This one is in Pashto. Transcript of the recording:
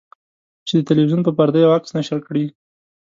چې د تلویزیون په پرده یو عکس نشر کړي.